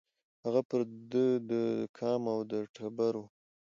هغه پر د ده د قام او د ټبر وو